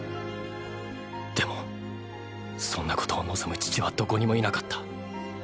でもそんなことを望む父はどこにもいなかった。